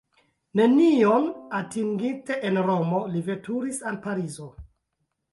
Nenion atinginte en Romo li veturis al Parizo.